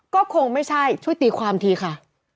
ก็คงไม่ใช่ช่วยตีความทีค่ะ